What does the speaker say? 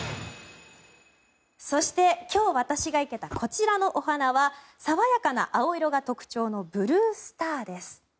そして、今日私が生けたこちらのお花は爽やかな青色が特徴のブルースターです。